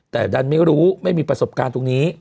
แต่ดันไม่รู้ไม่มีประสบการณ์ตรงนี้